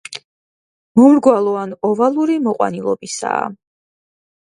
მომრგვალო ან ოვალური მოყვანილობისაა.